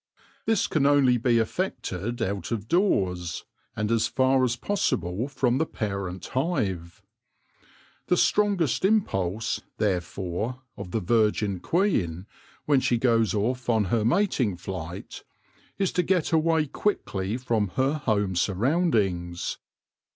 This can only be effected out of doors, and as far as possible from the parent hive. The strongest im pulse, therefore, of the virgin queen, when she goes off on her mating flight, is to get away quickly from her home surroundings.